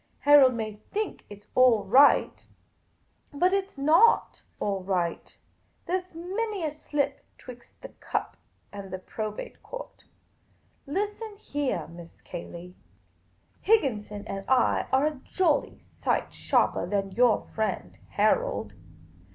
Harold may think it 's all right ; but it 's not all right. There 's many a slip 'twixt the cup and the Prol^ate Court. Listen heah, Miss Cayley ; 230 Miss Cayley's Adventures Higginson and I are a jolly sight sharper than your friend Harold.